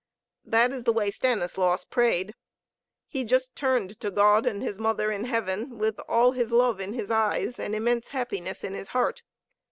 That is the way Stanislaus prayed. He just turned to God and his Mother in heaven, with all his love in his eyes and immense happiness in his heart.